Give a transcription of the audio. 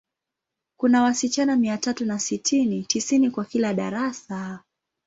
Kuna wasichana mia tatu na sitini, tisini kwa kila darasa.